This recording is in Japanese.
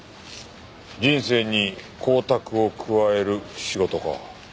人生に光沢を加える仕事か。